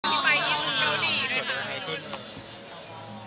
มีปลายอิงดูดีด้วย